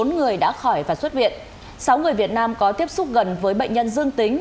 bốn người đã khỏi và xuất viện sáu người việt nam có tiếp xúc gần với bệnh nhân dương tính